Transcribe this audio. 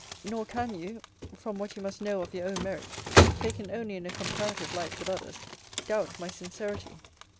Nor can you, from what you must know of your own merit (taken only in a comparative light with others) doubt my sincerity.